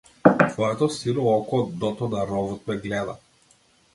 Твоето сино око од дното на ровот ме гледа.